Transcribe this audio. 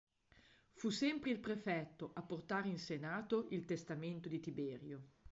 Fu sempre il prefetto a portare in Senato il testamento di Tiberio.